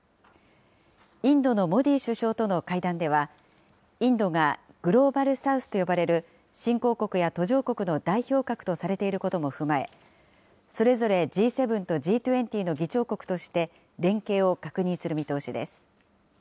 インドのモディ首相との会談では、インドがグローバル・サウスと呼ばれる新興国や途上国の代表格とされていることも踏まえ、それぞれＧ７とＧ２０の議長国として、連携を確認する見通しです。